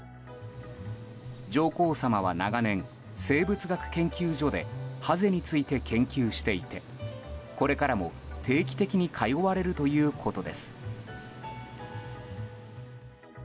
上皇さまは長年、生物学研究所でハゼについて研究していてこれからも定期的に通われるということです。